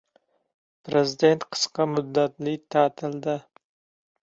Prezident qisqa muddatli ta’tilda